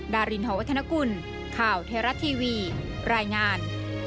ดารินหอวัฒนกุลข่าวเทราะทีวีรายงาน